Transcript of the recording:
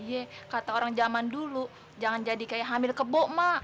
iya kata orang zaman dulu jangan jadi kayak hamil kebo mak